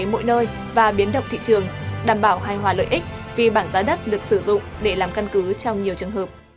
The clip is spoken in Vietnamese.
mỗi nơi và biến động thị trường đảm bảo hài hòa lợi ích vì bảng giá đất được sử dụng để làm căn cứ trong nhiều trường hợp